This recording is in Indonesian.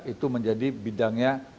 itu menjadi bidangnya